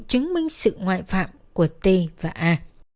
chứng minh sự ngoại phạm của t và a